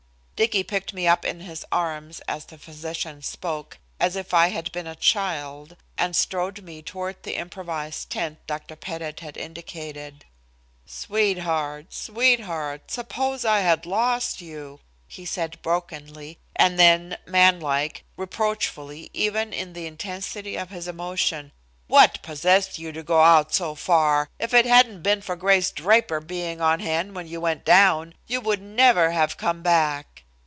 Dicky picked me up in his arms as the physician spoke, as if I had been a child, and strode with me toward the improvised tent Dr. Pettit had indicated. "Sweetheart, sweetheart, suppose I had lost you," he said brokenly, and then, manlike, reproachfully even in the intensity of his emotion: "What possessed you to go out so far? If it hadn't been for Grace Draper being on hand when you went down, you would never have come back.